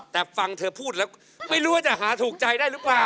แต่ฟังเธอพูดแล้วไม่รู้ว่าจะหาถูกใจได้หรือเปล่า